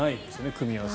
組み合わせ。